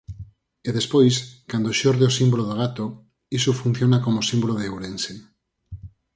E despois, cando xorde o símbolo do gato, iso funciona como símbolo de Ourense.